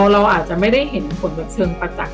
เราอาจจะไม่ได้เห็นผลแบบเชิงประจักษ